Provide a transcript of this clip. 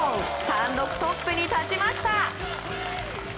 単独トップに立ちました。